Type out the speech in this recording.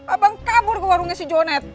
abang kabur ke warungnya si jonet